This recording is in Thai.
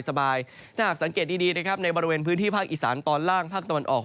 ถ้าหากสังเกตดีนะครับในบริเวณพื้นที่ภาคอีสานตอนล่างภาคตะวันออก